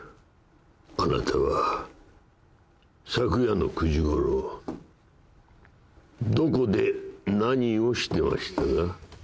あなたは昨夜の９時ごろどこで何をしてましたか？